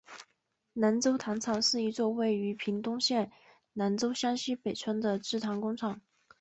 南州糖厂是一座位于屏东县南州乡溪北村的制糖工厂。